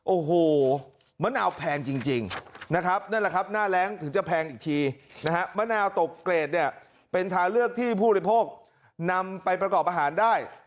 โอ้โหมะนาวแพงจริงนะครับนั่นแหละครับหน้าแรงถึงจะแพงอีกทีนะฮะมะนาวตกเกรดเนี่ยเป็นทางเลือกที่ผู้บริโภคนำไปประกอบอาหารได้